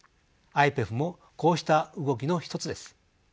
ＩＰＥＦもこうした動きの一つです。